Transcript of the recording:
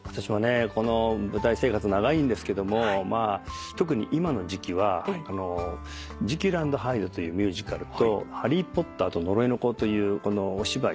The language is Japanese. この舞台生活長いんですけども特に今の時期は『ジキル＆ハイド』というミュージカルと『ハリー・ポッターと呪いの子』というお芝居と同時にやってるんですね。